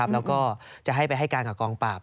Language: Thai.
แล้วก็จะให้ไปให้การกับกองปราบ